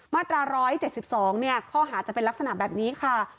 มาตราร้อยเจ็ดสิบสองเนี้ยข้อหาจะเป็นลักษณะแบบนี้ค่ะ